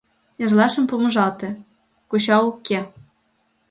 Эрлашым помыжалте — коча уке.